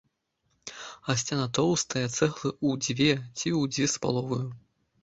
А сцяна тоўстая, цэглы ў дзве ці ў дзве з паловаю.